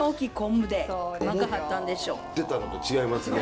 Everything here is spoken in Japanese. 思ってたのと違いますね。